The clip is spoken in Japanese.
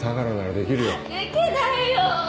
できないよ！